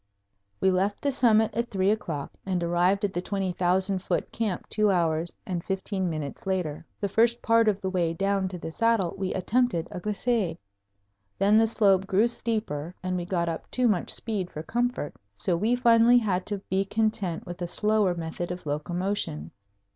We left the summit at three o'clock and arrived at the 20,000 foot camp two hours and fifteen minutes later. The first part of the way down to the saddle we attempted a glissade. Then the slope grew steeper and we got up too much speed for comfort, so we finally had to be content with a slower method of locomotion.